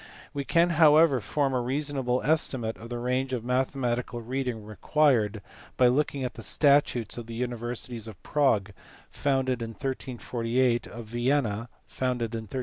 We can however form a reasonable estimate of the range of mathematical reading required, by looking at the statutes of the universities of Prague founded in 1348, of Vienna founded in 1365, and of Leipzig founded in 1389.